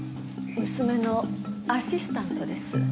娘のアシスタントです。